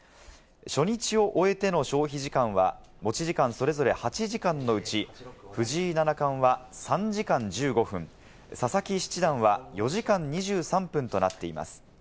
初日を終えての消費時間は持ち時間、それぞれ８時間のうち、藤井七冠は３時間１５分、佐々木七段は４時間２３分となっています。